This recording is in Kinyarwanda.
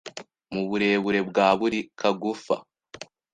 mu burebure bwa buri kagufa